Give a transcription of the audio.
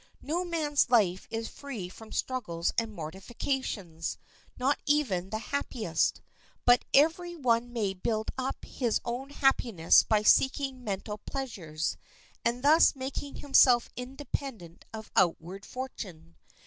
No man's life is free from struggles and mortifications, not even the happiest; but every one may build up his own happiness by seeking mental pleasures, and thus making himself independent of outward fortune.